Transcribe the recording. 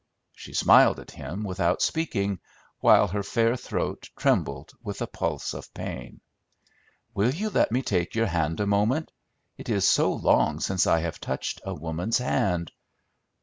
She smiled at him without speaking, while her fair throat trembled with a pulse of pain. "Will you let me take your hand a moment? It is so long since I have touched a woman's hand!